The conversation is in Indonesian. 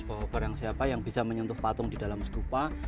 bawa barang siapa yang bisa menyentuh patung di dalam stupa